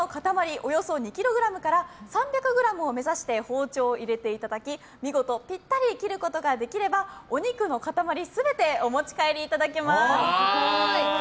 およそ２ｋｇから３００ｇを目指して包丁を入れていただき見事ぴったり切ることができればお肉の塊全てお持ち帰りいただけます。